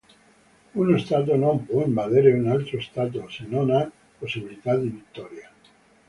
Uno stato non può invadere un altro stato se non ha possibilità di vittoria.